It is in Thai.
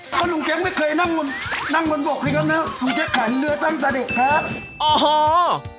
ก็ลุงเจ๊กไม่เคยนั่งบนบกเลยครับเนอะลุงเจ๊กขายเรือตั้งแต่เด็กครับ